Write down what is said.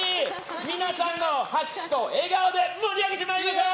皆さんの拍手と笑顔で盛り上げてまいりましょう！